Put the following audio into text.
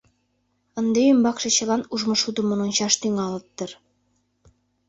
Ынде ӱмбакше чылан ужмышудымын ончаш тӱҥалыт дыр.